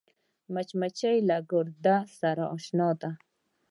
مچمچۍ له ګرده سره اشنا ده